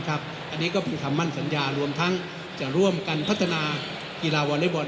อันนี้ก็คือคำมั่นสัญญารวมทั้งจะร่วมกันพัฒนากีฬาวอเล็กบอล